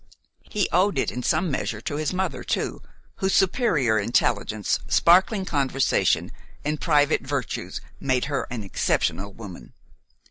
He owed it in some measure to his mother too, whose superior intelligence, sparkling conversation and private virtues made her an exceptional woman.